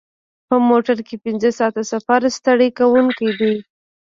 په موټر کې پنځه ساعته سفر ستړی کوونکی دی.